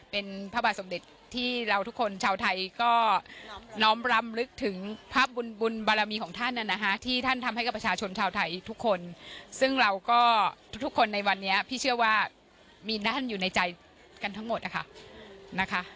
เป็นพระบาทสมเด็จที่เราทุกคนชาวไทยก็น้อมรำลึกถึงภาพบุญบุญบารมีของท่านที่ท่านทำให้กับประชาชนชาวไทยทุกคนซึ่งเราก็ทุกคนในวันนี้พี่เชื่อว่ามีนั่นอยู่ในใจกันทั้งหมดนะคะ